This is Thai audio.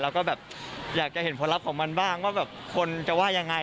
แล้วก็แบบอยากจะเห็นผลลัพธ์ของมันบ้างว่าแบบคนจะว่ายังไง